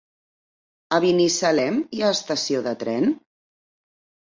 A Binissalem hi ha estació de tren?